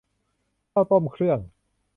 ข้าวต้มเครื่อง